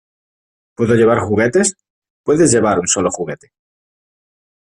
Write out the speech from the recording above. ¿ Puedo llevar juguetes? Puedes llevar un sólo juguete.